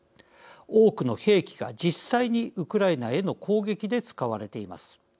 多くの兵器が実際にウクライナへの攻撃で使われています。